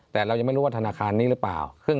แต่เรายังไม่รู้ว่าธนาคารนี้หรือเปล่า